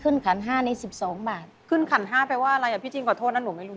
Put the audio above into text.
ขึ้นขัน๕หมูอะไรครับพี่จิ๊นขอโทษนะหนูไม่รู้